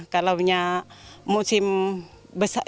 kalau musim air besar